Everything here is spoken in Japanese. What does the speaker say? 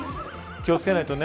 気を付けないとね。